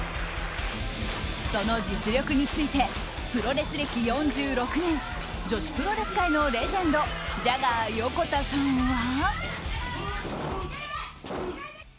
その実力についてプロレス歴４６年女子プロレス界のレジェンドジャガー横田さんは。